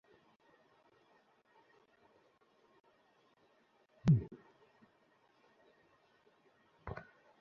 বিকেল চারটার সময় ট্রাইব্যুনালের রাষ্ট্রপক্ষের কৌঁসুলিদের সঙ্গে তাঁর বৈঠকের সূচি নির্ধারিত রয়েছে।